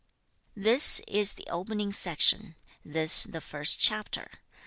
This is the opening section; this the first chapter.